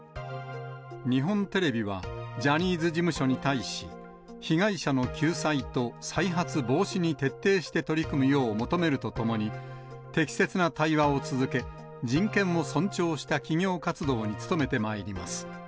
日本テレビはジャニーズ事務所に対し、被害者の救済と再発防止に徹底して取り組むよう求めるとともに、適切な対話を続け、人権を尊重した企業活動に努めてまいります。